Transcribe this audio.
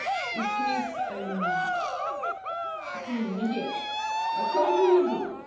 It's Miss er h'm, yes. How do you do?